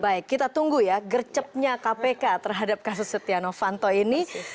baik kita tunggu ya gercepnya kpk terhadap kasus setia novanto ini